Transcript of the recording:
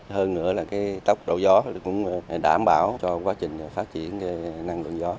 hơn nữa là cái tốc độ gió cũng đảm bảo cho quá trình phát triển năng lượng gió